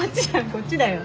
こっちだよ。